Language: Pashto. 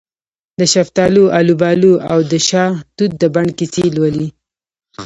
دشفتالو، الوبالواودشاه توت د بڼ کیسې لولې